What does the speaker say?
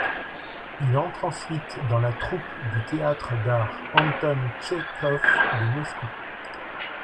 Il entre ensuite dans la troupe du Théâtre d'art Anton Tchekhov de Moscou.